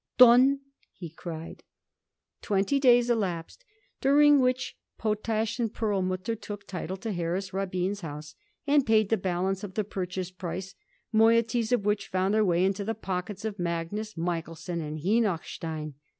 "Done!" he cried. Twenty days elapsed, during which Potash & Perlmutter took title to Harris Rabin's house and paid the balance of the purchase price, moieties of which found their way into the pockets of Magnus, Michaelson and Henochstein.